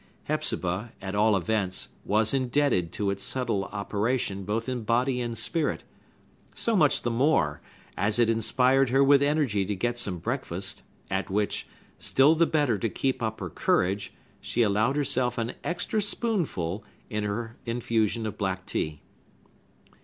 Hepzibah, at all events, was indebted to its subtile operation both in body and spirit; so much the more, as it inspired her with energy to get some breakfast, at which, still the better to keep up her courage, she allowed herself an extra spoonful in her infusion of black tea.